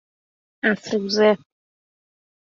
افروزه